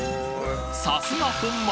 さすが本丸！